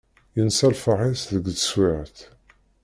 Yensa lferḥ-is deg teswiεt.